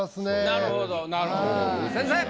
なるほどなるほど先生！